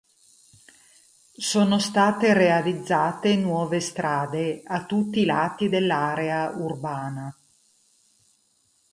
Sono state realizzate nuove strade a tutti i lati dell'area urbana.